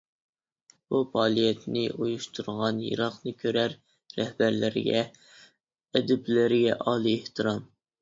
بۇ پائالىيەتنى ئۇيۇشتۇرغان يىراقنى كۆرەر رەھبەرلەرگە، ئەدىبلەرگە ئالىي ئېھتىرام!